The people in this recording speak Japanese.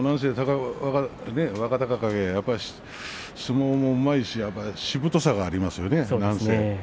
若隆景は相撲もうまいししぶとさがありますよね。